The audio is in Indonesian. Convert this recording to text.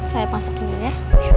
saya masuk dulu ya